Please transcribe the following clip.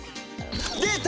出た！